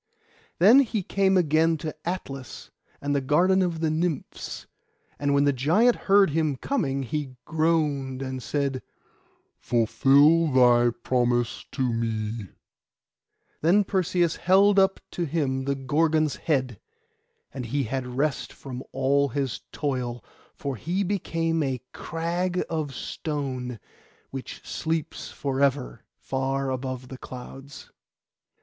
Then he came again to Atlas, and the garden of the Nymphs; and when the giant heard him coming he groaned, and said, 'Fulfil thy promise to me.' Then Perseus held up to him the Gorgon's head, and he had rest from all his toil; for he became a crag of stone, which sleeps for ever far above the clouds.